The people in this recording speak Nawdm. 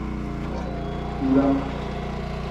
Wurang.